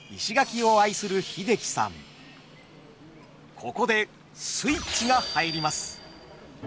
ここでスイッチが入ります。